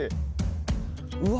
うわ！